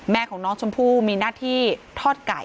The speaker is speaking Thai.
แม่ของน้องชมพู่มีหน้าที่ทอดไก่